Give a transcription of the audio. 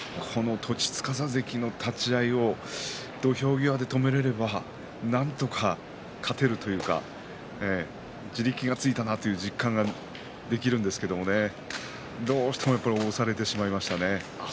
栃司関の立ち合いを土俵際で止めることができれば、なんとか勝てるというか、地力がついたなという実感ができるんですけれどどうしても押されてしまいましたね。